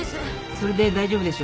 それで大丈夫でしょう。